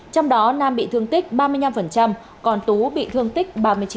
trong đó nam bị thương tích ba mươi năm còn tú bị thương tích ba mươi chín